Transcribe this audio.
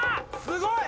すごい！